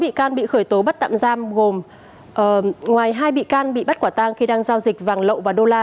chín bị can bị khởi tố bắt tạm giam gồm ngoài hai bị can bị bắt quả tang khi đang giao dịch vàng lậu và đô la